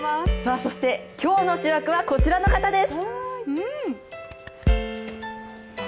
そして、今日の主役はこちらの方です！